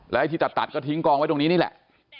ไอ้ที่ตัดก็ทิ้งกองไว้ตรงนี้นี่แหละ